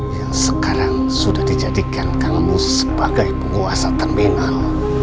yang sekarang sudah dijadikan kang mus sebagai penguasa terminal